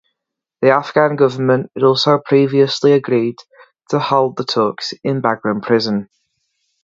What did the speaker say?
The Afghan government had also previously agreed to hold the talks in Bagram Prison.